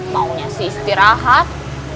maunya sih istirahat